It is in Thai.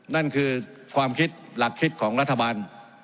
นั่นคือความคิดหลักคิดของรัฐบาล